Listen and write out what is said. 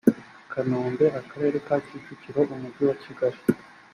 kanombe akarere ka kicukiro umujyi wa kigali